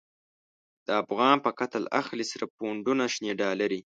د افغان په قتل اخلی، سره پو نډونه شنی ډالری